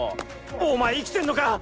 お前生きてんのか？